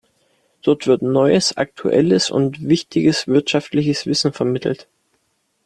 Dort wird neues, aktuelles und wichtiges wirtschaftliches Wissen vermittelt.